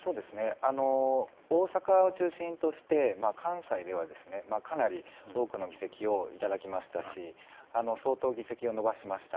大阪を中心として関西では、かなり多くの議席をいただきましたし相当、議席を伸ばしました。